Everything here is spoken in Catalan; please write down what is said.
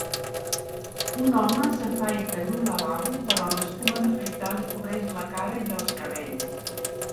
Un home s'afaita en un lavabo però l'escuma d'afaitar li cobreix la cara i els cabells